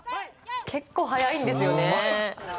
結構速いんですよね。